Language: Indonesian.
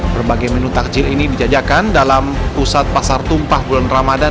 berbagai menu takjil ini dijajakan dalam pusat pasar tumpah bulan ramadan